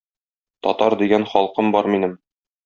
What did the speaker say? Татар дигән халкым бар минем.